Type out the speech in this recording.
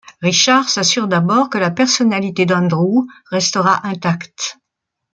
Richard s’assure d’abord que la personnalité d’Andrew restera intacte.